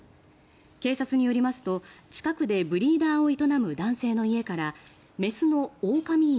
警察によりますと近くでブリーダーを営む男性の家から雌の狼犬